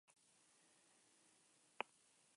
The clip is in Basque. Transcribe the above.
Antza, gertaera istripu bat izan da.